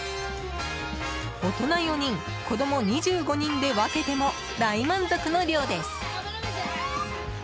大人４人、子供２５人で分けても大満足の量です。